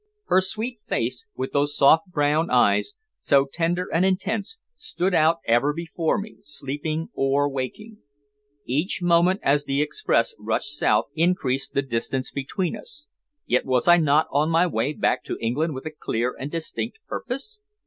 Her sweet face, with those soft, brown eyes, so tender and intense, stood out ever before me, sleeping or waking. Each moment as the express rushed south increased the distance between us, yet was I not on my way back to England with a clear and distinct purpose?